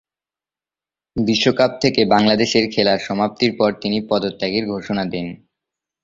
বিশ্বকাপ থেকে বাংলাদেশের খেলা সমাপ্তির পর তিনি পদত্যাগের ঘোষণা দেন।